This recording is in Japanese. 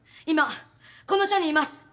今この署にいます。